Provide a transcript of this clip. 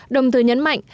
đồng thời nhấn mạnh